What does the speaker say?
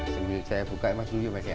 sebelum saya buka mas julio ya mas